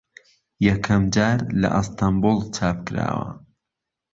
یەکەم جار لە ئەستەمبوڵ چاپ کراوە